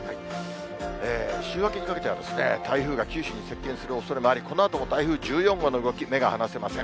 週明けにかけては台風が九州に接近するおそれもあり、このあとも台風１４号の動き、目が離せません。